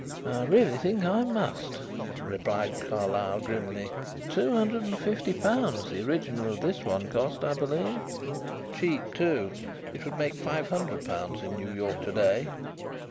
"I really think I must," replied Carlyle grimly. "Two hundred and fifty pounds the original of this cost, I believe." "Cheap, too; it would make five hundred pounds in New York to day.